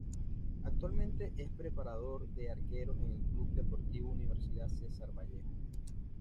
Actualmente es preparador de arqueros en el Club Deportivo Universidad Cesar Vallejo.